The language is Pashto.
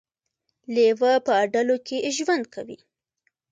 لیوه په ډلو کې ژوند کوي